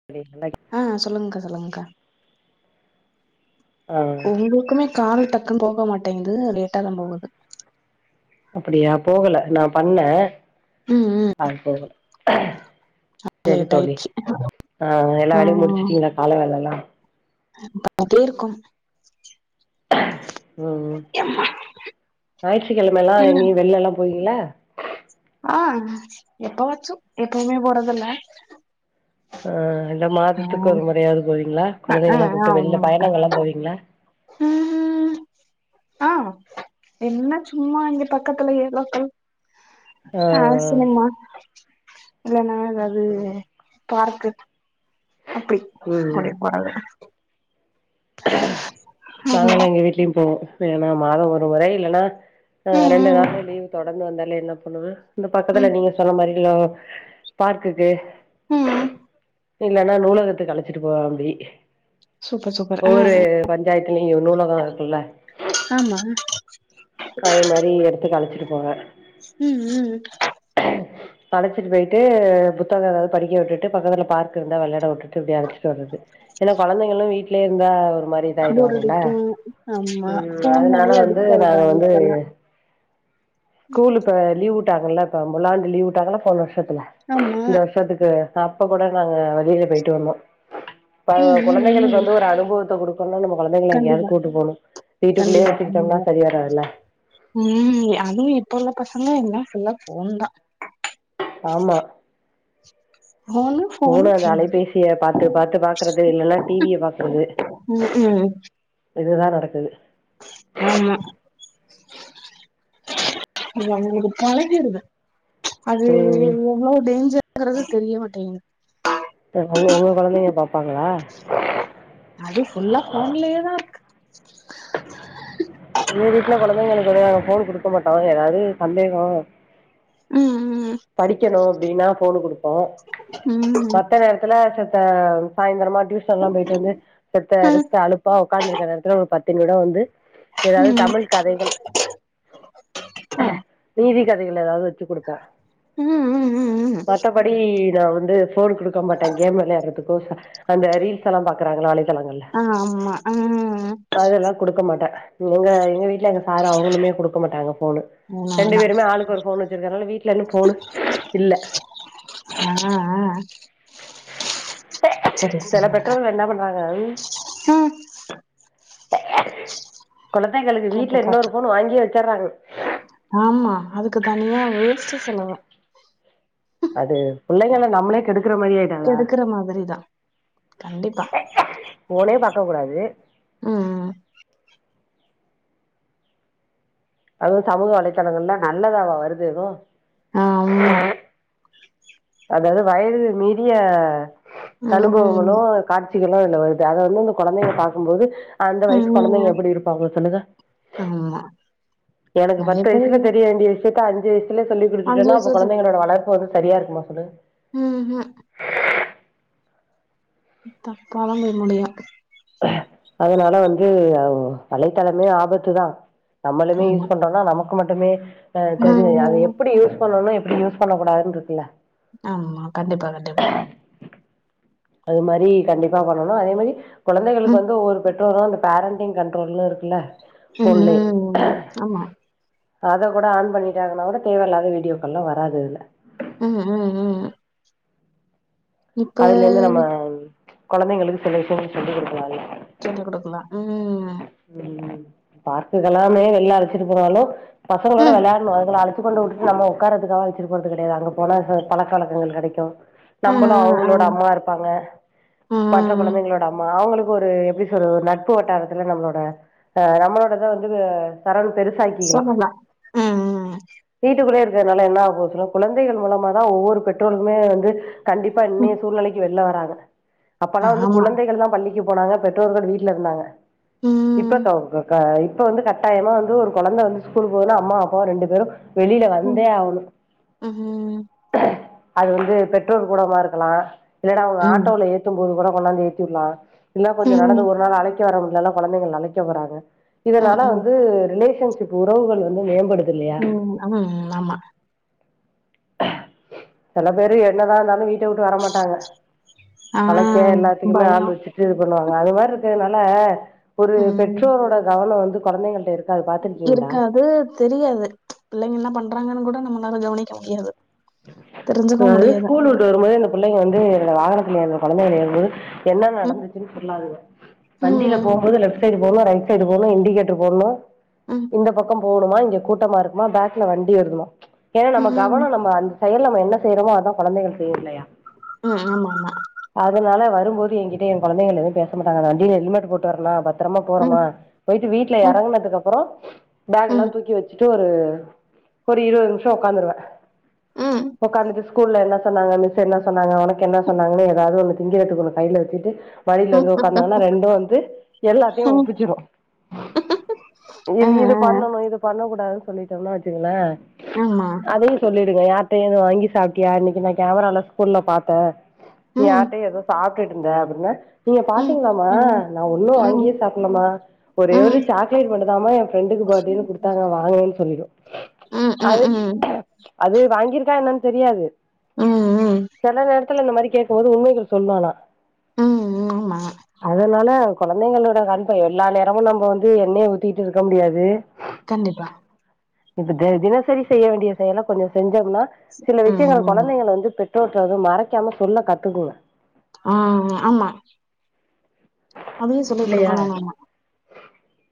[unintelligible] ஆ சொல்லுங்க்கா சொல்லுங்க்கா ஆ உங்களுக்குமே கால் டக்குனு போக மாட்டிங்குது லேட்டாதா போகுது அப்டியா போகல நா பண்ணே ம் ம் ஆது போகல செரி லேட் தோழி ஆயிடுச்சு ஆ எல்லா வேலையு முடிச்சுட்டீங்களா கால வேலல்லா [inaudible] ருக்கோ ம் ம் எம்மா ஞாயிற்றுக்கெழமல்லா ம் எங்கியோ வெள்ளலா போவீங்கள ஆ எப்பவாச்சு எப்பவுமே போறதில ஆ இல்ல மாதத்துக்கு ஒரு முறையாவுது போவீங்களா அ ஆ குழந்தைல்லா கூப்ட்டு வெளில ஆமாங்க்கா பயணங்கெல்லா போவீங்களா ம் ஹ்ம் ஆ என்ன சும்மா இங்கே பக்கத்துலயே லோக்கல் அ அ சினிமா இல்லன்னா ஏதாது பார்க்கு அப்டி ம் கூட்டிட் போரது ஆமா நாங்களு எங்க வீட்லையு போவோ இல்லனா மாத ஒரு முறை இல்லனா அ ம் ரெண்டு ம் நாளு லீவ் தொடந்து வந்தாலே என்ன பண்ணுவே இந்த பக்கத்துல ம் நீங்க சொன்ன மாறிலா பார்க்குக்கு ம் இல்லன்னா நூலகத்துக்கு அழச்சிட்டு போவே அப்டி சூப்பர் சூப்பர் ஆ ஒவ்வொரு பஞ்சாயத்துலியு நூலகோ இருக்குல்ல ஆமா அது மாரி எடத்துக்கு அழச்சிட்டு போவே ம் ம் அழச்சிட்டு போய்ட்டு புத்தகோ ஏதாவுது படிக்க விட்டுட்டு பக்கத்துல பார்க் இருந்தா வெள்ளட விட்டு ட்டு இப்டி அழச்சிட்டு வர்ரது ஏன்னா கொழந்தைங்களு வீட்லயே இருந்தா ஒரு மாரி போர் இதாயிடுவாங்கல அடிக்கு ஆமா ம் ஃபோன் அதனால மேலயே வந்து அடிக்ட் நாங்க ஆயிடுறாங்க வந்து இப்பல்லா ஸ்கூலு இப்ப லீவ் உட்டாங்கல்ல இப்ப முழாண்டு லீவ் உட்டாங்களா போன வர்ஷத்துல ஆமா இந்த வர்ஷத்துக்கு அப்ப கூட நாங்க வெளில போய்ட்டு வந்தோ இப்ப ம் ம் ம் கொழந்தைகளுக்கு வந்து ஒரு அனுபவத்த குடுக் இப்பெல்லா நம்ம கொழந்தைங்கள எங்கயாவுது கண்டிப்பா கூட்டு போணு வீட்டுக்குள்ளயே கண்டிப்பா வச்சிகிட்டோம்னா கண்டிப்பா சரி வராதுல்ல ம் அதுவு இப்ப உள்ள பசங்க என்ன ஃபுல்லா ஃபோன் தா ஆமா [unintelligible] ஃபோன் ஃபோன ஃபோன் அந்த ஃபோன் அலைபேசிய பாத்து பாத்து பாக்குறது இல்லன்னா டிவிய பாக்குறது ம் ம் ம் இதுதா நடக்குது ஆமா இது அவங்களுக்கு பழகிருது அது ம் எவ்ளோ டேஞ்சர்ங்கிறது தெரிய மாட்டேங்குது இப்ப அவுங்க அவுங்க கொழந்தைங்க பாப்பாங்களா அது ஃபுல்லா ஃபோன்லயே தா இருக் எங்க வீட்ல கொழந்தைங்களுக்கு தனியா நாங்க ஃபோன் குடுக்க மாட்டோ ஏதாவது சந்தேகோ ம் ம் படிக்கணு அப்டின்னா ஃபோனு குடுப்போ ம் ம் மத்த நேரத்துல செத்த சாயந்தரமா ட்யூஷன் எல்லா போயிட்டு வந்து செத்த ரெஸ்ட்டு அலுப்பா உக்காந்து இருக்கிற நேரத்துல ஒரு பத்து நிமிடம் வந்து ஏதாவது ம் தமிழ் கதைகள் ஆ நீதி கதைகள் ஏதாவது வச்சு குடுப்பே ம் ம் ம் ம் மத்தபடி நா வந்து ஃபோன் குடுக்க மாட்டே கேம் வெளயாட்றதுக்கோ சா அந்த ரீல்ஸ் எல்லா பாக்குறாங்கல்ல வலைத்தளங்கள்ல ஆ ஆமா ஆ அதெல்லா குடுக்க மாட்டே எங்க எங்க வீட்ல எங்க சாரு அவங்களுமே குடுக்க மாட்டாங்க ஃபோனு ஆமா ரெண்டு ஆமா. பேருமே ஆளுக்கு ஒரு ஃபோன் வச்சிருக்கனால வீட் லனு ஃபோனு இல்ல ஆ ஆ சரி செல சரிங்க பெற்றோர்கள் என்ன பண்றாங்க ம் கொழந்தைகளுக்கு பாத்து வீட்ல இன்னொரு பாத்து ஃபோன் வாங்கியே வச்சுட்றாங்க ஆமா அதுக்கு தனியா வேஸ்ட்டு செலவு அது புள்ளைகள நம்மளே கெடுக்கற மாரி ஆயி கெடுக்குற மாதிரி தா கண்டிப்பா ஃபோனே பாக்க கூடாது ம்ம் அதுவு சமூக வலைதளங்கள்ல நல்லதாவா வருது எது ஆ ஆமா அதாவது வயது மீறிய அனுபவங்களு ம் காட்சிகளு அதுல வருது அத வந்து இந்த கொழந்தைங்க பாக்கும்போது அந்த வயசு கொழந்தைங்க ம் எப்டி இருப்பாங்க சொல்லுங்க ஆமா எனக்கு நெறைய பத்து பேரு வயசுல தெரிய வேண்டிய விஷயத்த அஞ்சு வயசுலேயே சொல்லி அஞ்சு குடுத்துட்டேன்னா அப்ப வயசுல கொந்தைங்களோட வளர் ப்பு வந்து சரியா இருக்குமா சொல்லுங்க ம் ஹூம் தப்பாதா போய் முடியு அதனால வந்து வலைத்தளமே ஆபத்து தா நம்மளுமே ஆமா யூஸ் பண்றோன்னா நமக்கு மட்டுமே அ தெரி அது ம் எப்டி யூஸ் பண்ணணு எப்டி யூஸ் பண்ணக் கூடாதுன்னு இருக்குல்ல ஆமா கண்டிப்பா கண்டிப்பா அது மாரி கண்டிப்பா பண்ணணு அதே மாரி கொழந்தைகளுக்கு ம் வந்து ஒவ்வொரு பெற்றோரு அந்த பேரண்டிங் கண்ட்ரோல்ன்னு இருக்குல்ல ஃபோன்லே ம் ஆமா அத கூட ஆன் பண்ணிட்டாங்கனா கூட தேவையில்லாத வீடியோக்கள்லா வராது அதுல ம் ம் ம் இப்ப அதுலேந்து நம்ம கொழந்தைங்களுக்கு சில விஷயங்கள் சொல்லி குடுக்கலா இல்ல சொல்லி குடுக்கலா ம் ம். பார்க்குக்கு எல்லாமே வெளில அழைச்சிட்டு போனாலு பசங்களோட ம் வெளாட்ணு அதுங்க அழச்சி கொண்ட வுட்டுட்டு நம்ம ஒக்காறதுக்காக அழச்சுட்டு போறது கெடையாது அங்க போனா பழக்க வழக்கங்கள் கெடைக்கும் அப்னோ அவங்களோட ம் அம்மா இருப்பாங்க மற்ற ம் கொழந்தைங்களோட அம்மா அவங்களுக்கு ஒரு எப்டி சொல்றது ஒரு நட்பு வட்டாரத்துல நம்ளோட ஆ நம்மளோடது தா வந்து சரண் பெருசாயி சொல்லுலா ம் ம் ம் வீட்டுக்குள்ளயே இருக்குறதுனால என்ன ஆகப் போதுனா குழந்தைகள் மூலமாதா ஒவ்வொரு பெற்றோருமே வந்து கண்டிப்பா ம் இன்னைய ம் சூழ்நிலைக்கு வெள்ல வராங்க அப்பெல்லா வந்து ஆமா குழந்தைகள் தா பள்ளிக்கி போனாங்க பெற்றோர்கள் வீட்ல இருந்தாங்க இப்ப ம், தோ க கா இப்ப வந்து கட்டாயமா வந்து ஒரு கொழந்த வந்து ஸ்கூல் போகுதுனா அம்மா அப்பாவு ரெண்டு பேரும் வெளில ம், வந்தே ஆவணு ம், ம், அது வந்து பெற்றோர் கூடமா இருக்கலா இல்லேன்னா அவுங்க ம், ஆட்டோவுல ஏறி க்கும் போது கூட கொண்டாந்து ஏத்தி வுட்லா இல்ல ம், கொஞ்சோ நடந்து ஒரு நாள் அழைக்க வர முட்லன்னா கொழந்தைகள் நழைக்க வறாங்க ம், இதுனால ம், வந்து ரிலேஷன்ஷிப் உறவுகள் வந்து மேம்படுத் ம் ம் அமல் ஆமா செல பேரு என்னதா இருந்தாலு வீட்ட விட்டு வரமாட்டாங்க ஆ, அழைக்க எல்லாத்துக்குமே ஆள் பயம். வச்சு இது பண்ணுவாங்க அது மாரி இருக்கதுனால ஒரு ம். பெற்றோரோட கவனோ வந்து கொழந்தைங்கள்ட இருக் இருக்காது தெரியாது புள்ளைங்கல்லா பண்றாங்கன்னு கூட நம்மனால கவனிக்க முடியாது தெரிஞ்சுக்கவும் அதாவது முடியாது. ஸ்கூல் விட்டு வரும்போது இந்த புள்ளங்க வந்து என்னோட வாகனத்துல ஏர்ற கொழந்தைகள ஏறும்போது என்ன ம், நடந்துச் வண்டில ம், போம்போது லெப்ட் சைடு போணு ரைட் சைடு போணு இண்டிகேட்டர் போடணு ம், இந்த பக்கோ போகணுமா இங்க கூட்டமா இருக்குமா ஃபேக்ல வண்டி வருதுமா ஏன்னா நம்ம ம், கவனோ நம்ம அந்த செயல் நம்ம என்ன செய்றோமோ அதா கொழந்தைகள் செய்யு இல்லயா ம் ஆமா ஆமா அதுனால வரும்போது எங்கிட்ட ஏ கொலந்தைகள் எதும் பேச மாட்டாங்க வண்டில ஹெல்மெட் போட்டு வரனா பாத் பத்தரமா ம், போறோமா பொயிட்டு வீட்ல ம், எறங்கனதுக்கு அப்பறோ ஃபேக் எல்லா ம், தூக்கி வச் வச்ட்டு ஒரு ஒரு இருவது நிம்ஷோ ஒக்காந்துருவே ம் ஒக்காந்துட்டு ஸ்கூல்ல என்ன சொன்னாங்க மிஸ் என்ன சொன்னாங்க உனக்கு என்ன சொன்னங்கன்னு எதாவது ஒன்னு திங்கிரதுக்கு ஒண்ணு கையில வச்சுட்டு மடியில வந்து உக்காந்தாங்கன்னா ரெண்டும் வந்து எல்லாத்தையு ம். ஒப்பிச்சிரு ஆ, ஆ, இது இது பண்ணணு இது பண்ண கூடாதுன் சொல்லிட்டம்னா வச்சுக்கங்ளே ஆமா அதையு சொல்லிடுங்க யார்டையு எதுவு வாங்கி சாப்டியா இன்னைக்கு நா கேமரால ஸ்கூல்ல பாத்தே ம், யார்ட்டையு எதுவு சாப்ட்டுட்டு இருந்தே அப்புடின்னா நீங்க ம், பாத்தீங்களாமா ம், நா ஒண்ணும் ம், வாங்கியே ம், சாப்புல்லமா ஒரே ஒரு ம், சாக்லேட் மட்டுந்தாமா ஏ ஃப்ரெண்டுக்கு பர்த்டேன்னு குடுத்தாங்க வாங்குவேன் சொல்லிடு ம் ம் அது ம் அது வாங்கிருக்கா என்னன்னு தெரியாது ம், ம், செல நேரத்துல இந்த மாரி கேக் கும் போது ஒரு உண்மைகள் சொல்லலா ம் ம் ஆமா அதுனால கொழந்தைங்களோட கண்ப எல்லா நேரமு நம்ப வந்து எண்ணய ஊத்திகிட்டு இருக்க முடியாது கண்டிப்பா இப்ப தே தினசரி செய்ய வேண்டிய செயல கொஞ்ச செஞ்சம்னா சில ம் விஷயங்க கொலத் ம். கொழந்தைங்கள வந்து பெற்றோட்ட வந்து மறைக்காம சொல்ல கத்துக்கனு ஆ ஆமா அதையும் சொல்லிக் இல்லையா குடுக்கணும் நம்ம.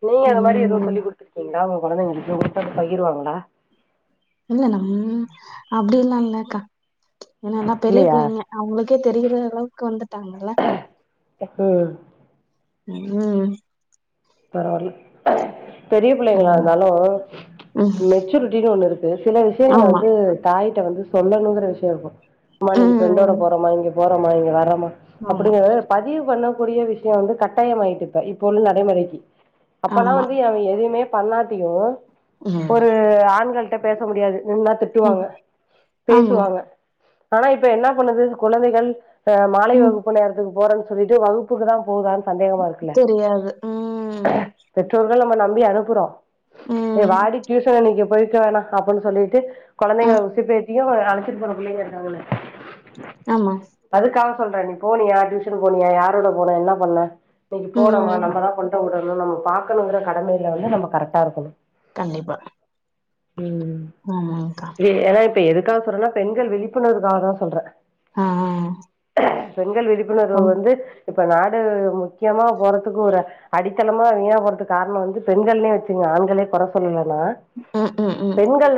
நீங்க அந்த மாரி எதுவு ம். சொல்லி குடுத் எங்காவது உங்க கொழந்தைங்களுக்கு இப்ப குடுத்தது பகிருவாங்களா இல்ல நம்ம அப்டி எல்லா இல்லக்கா இல்ல எல்லா பெரிய இல்லையா பிள்ளைங்க அவுங்களுக்கே தெரியிற அளவுக்கு வந்துட்டாங்கல்ல தப்பு ம் பெரிய புள்ளைங்களா ம். இருந்தாலு ம். மெச்சூரிட்டின்னு ஒண்ணு இருக் கு சில விஷயங்கள ஆமா. வந்து தாயிட்ட வந்து சொல்லணுங்குற விஷயோ இருக்கு அம்மா இன்னைக்கி ஃப்ரண்டோட ம். போறோம்மா இங்க போறோம்மா இங்க வாரோம்மா ஆமா, அப்டிங்றத பதிவு பண்ண கூடிய விஷயம் வந்து கட்டாயமாயிட்டு இருப்ப இப்ப உள்ள நடைமுறைக்கு அப்பல்லாம் ஆமா. வந்து என் எதுவுமே பண்ணாட்டியும் ம். ஒரு ஆண்கள் கிட்ட பேச முடியாது நின்னா திட்டுவாங்க ம். ஆமா. பேசுவாங்க ஆனா இப்ப என்ன பண்ணுது குழந்தைகள் ஆ மாலை ம். வகுப்பு நேரத்துக்கு போற சொல்லிட்டு வகுப்புக்கு தான் போகுதானு சந்தேகமா இருக்கு தெரியாது ம். பெற்றோர்கள் நம்ம நம்பி அனுப்புறோம் ஏ ம். வாடி டியூசன் இன்னைக்கு போய்க்க வேணா அப்புடின்னு சொல்லிட்டு கொழந்தைங்கள ம். உசுப்பேத்தியும் அழைச்சிட்டு போற பிள்ளைங்க இருக்காங்களே ஆமா அதுக்காக சொல்றேன் நீ போனியா டியூஷன் போனியா யாரோட போன என்ன பண்ண இன்னைக்கு போனோமா ம். நம்மதான் பண் போடணும் நம்ம பாக்கணுங்கிற கடமையில வந்து நம்ம கரெக்டா இருக்கணு கண்டிப்பா ம் ஆமாக்கா எ ஏன்னா இப்ப எதுக்காக சொல்றேன்னா பெண்கள் விழிப்புணர்க்காக தா சொல்றேன் ஆ ஆ பெண்கள் விழிப்புணர்வு ம். வந்து இப்ப நாடு முக்கியமா போறதுக்கு ஒரு அடித்தளமா வீணா போறதுக்கு காரணம் வந்து பெண்கள்னே வச்சுகோங்க ஆண்கள கொற சொல்லல நா ம். ம். பெண்கள்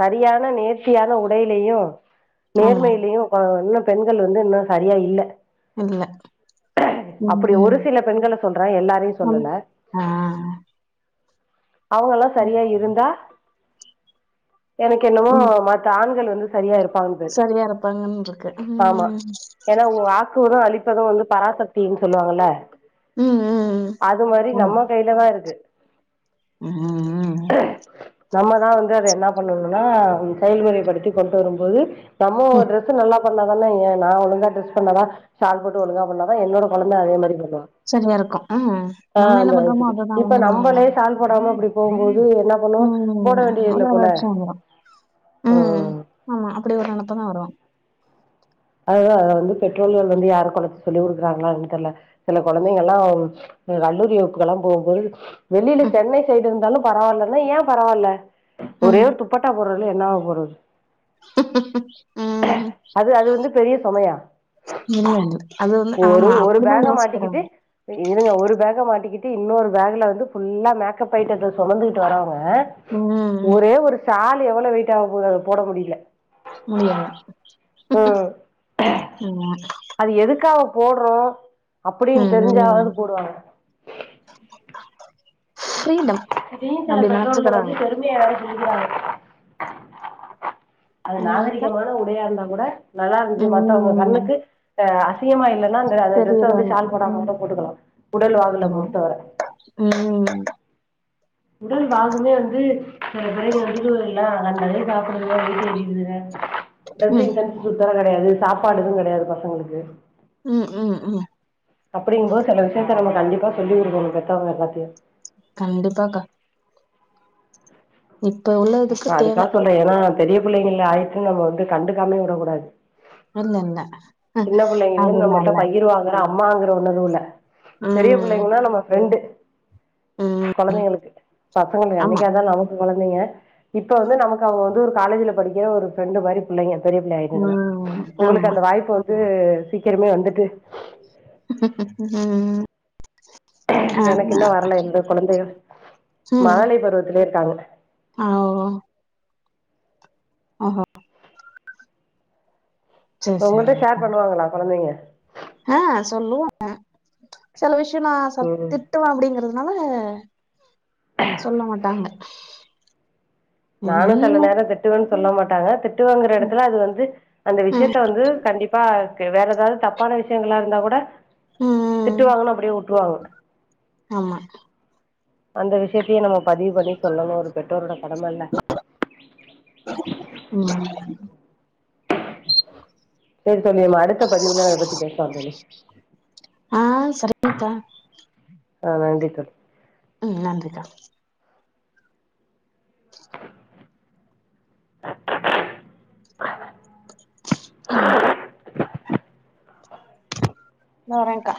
சரியான நேர்த்தியான உடைலயும் ஆமா. நேர்மையிலயும் பா இன்னும் பெண்கள் வந்து இன்னும் சரியா இல்ல இல்ல. அப்படி ஒரு சில பெண்கள சொல்றே எல்லார் அம் ஆ அவங்கல்லா சரியா இருந்தா எனக்கு என்னமோ ம். மத்த ஆண்கள் வந்து சரியா இருப்பாங்க சரியா இருப்பாங்கன்னு இருக்கு ம் வாக்குவதும் அளிப்பதும் வந்து பராசக்தின்னு சொல்லுவாங்கல்ல ம் ம் அது மாரி ஆமா. நம்ம கையிலதா இருக்கு ம் ம் நம்மதா வந்து அதை என்ன பண்ணணும்னா செயல்முறைப்படுத்தி கொண்டு வரும் போது நம்மோ ஒரு ம். டிரெஸ் நல்ல பண்ணாதான நான் ஒழுங்கா டிரெஸ் பண்ணாதா ஷால் போட்டு ஒழுங்க பண்ணாதான் என்னோட கொழந்தை அதே மாரி வருவா சரியா இருக்கு ம் ஆ நம்ம என்ன அந்த பண்றோமோ, வயசுக்கு அததான் இப்ப அவங்களும் நம்மளே பண்ணுவாங்க. சால்போடாம அப்படி போகும்போது என்ன ஒண்ணு போட ம். வேண்டிய ஒரு இல்ல ஒரு போல வருஷம் வந்துரும். ம் ஆமா அப்டி ஒரு நெனப்பு தா வரும் அதுதா அத வந்து பெற்றோர்கள் வந்து யாருக் கொழந் சொல்லி கொடுக்குறாங்களானு தெர்ல சில கொழந்தைங்கள் லா அ கல்லூரி வகுப்புக்குலா போகும்போது வெளியில ம். சென்னை சைடு இருந்தாலும் பரவால்லனா ஏன் பரவால்ல ஒரே ம். ஒரு துப் பட்டா போடுறனால என்ன‌ ஆக போறது ம் அது அது வந்து பெரிய சுமையா இல்ல இல்ல அது வந்து ஆமா அப்படிதா யோசிக்கிறாங்க இதுங்க ஒரு பேக்க மாட்டிக்கிட்டு இன்னொரு பேக்ல வந்து ஃபுல்லா மேக்கப் அயிட்டத்த சுமந்துட்டு வர்றவங்க ம். ஒரே ஒரு சாலு எவ்வளோ வெயிட் ஆக போது அது போட முடியல முடியாதா ம் ம் அது எதுக்காக போடுறோ அப்டின்னு ம் தெரிஞ்சாவது போடுவாங்க புரியில வீட்ல இருக்குற பெற்றோர்கள் வந்து பெரு உண்மையா யாரு இப்ப இருக்றாங்க அது என்னங்க்கா? நாகரிகமான உடையா இருந்தா கூட நல்லா இருந்துச்சு மத்தவங்க ம். கண்ணுக்கு அ அசிங்கமா இல்லன்னா ச அந்த டிரெஸ்ஸ வந்து தெரியறாங்க ஷால் போடாம ம் கூட போட்டுக்கலா உடல் வாகுல ஆமா பொறுத்தவர ம் உடல் வாகுமே வந்து சில பிள்ளைங்க முதுகு வலில நல்லதே சாப்புட்றது இல்லைங்க இது இது இதுன்துங்க ம் ட்ரெஸ்ஸிங் ஸென்ஸ் சுத்தமா கெடையாது சாப்பாடு எது கெடையாது பசங்களுக்கு ம் ம் ம் அப்டிங்கும்போ சில விஷயத்த நம்ம கண்டிப்பா சொல்லி கொடுக்கணு பெத்தவங்க பாத்து கண்டிப்பா கா இப்ப உள்ள இதுக்கு தேவ இப்ப ஏனா பெரிய பிள்ளைங்கள் ஆயிச்சன்னு நம்ம வந்து கண்டுக்காம விடக்கூடாது இல்ல இல்ல அ சின்ன புள்ளைங்களு நம்மள்ட்ட அதுனால பகிற்வாங்க அம்மாங்குற உணர்வுல பெரிய ம் புள்ளைங்கள்ன்னா நம்ம ஃப்ரெண்டு ம் கொழந்தைங்களுக்கு பசங்களுக்கு ஆமா என்னைக்கா இருந்தாலு நமக்கு கொழந்தைங்க இப்ப வந்து நமக்கு அவங்க வந்து ஒரு காலேஜ்ல படிக்க ஒரு ஃப்ரெண்டு் மாரி பிள்ளைங்க பெரிய பிள்ள ஆயிருத்துங்கன்னா ம் உங்களுக்கு ஆமா அந்த வாய்ப்பு வந்து சீக்கிரமே வந்துட்டு ம் எனக்கு ஆமா இன்னு வர்ல எந்த கொழந்தைகள் மழழை பருவத்துலயே இருக்காங்க ஆவா ஆஹா சரி இப்ப உங்கள்ட சரிக்கா ஷேர் பண்ணுவாங்களா கொழந்தைங்க ஆ சொல்லுவாங்க சில விஷய நா ச திட் டுவ அப்டிங்குறதுனால சொல்ல மாட்டாங்க என்ன நானு சில நேர திட்டுவேன்னு சொல்ல மாட்டாங்க திட் டுவேங்கிற ம் எடத்துல அது வந்து அந்த ம் விஷயத்த வந்து கண்டிப்பா வேற ஏதாது தப்பான விஷயங்களா இருந்தா கூட ம். திட்டுவாங்கன்னு அப்டியே வுட்ருவாங்க ஆமா அந்த விஷயத்தையு நம்ம பதிவு பண்ணி சொல்லணு ஒரு பெற்றோரோட கடமல்ல ம் ம் ம் செரி தோழி நம்ம அடுத்த பதிவுல அத பத்தி பேச்லா தோழி ஆ சரிங்கக்கா ஆ நன்றி தோழி ம் நன்றி கா [inaudible] ம் வரேக்கா